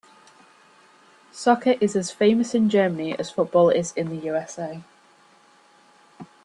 Soccer is as famous in Germany as football is in the USA.